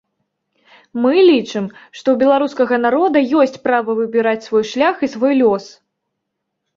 Мы лічым, што ў беларускага народа ёсць права выбіраць свой шлях і свой лёс.